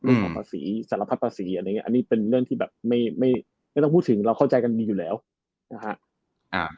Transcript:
เรื่องของภาษีสารพัดภาษีอันนี้เป็นเรื่องที่แบบไม่ต้องพูดถึงเราเข้าใจกันดีอยู่แล้วนะครับ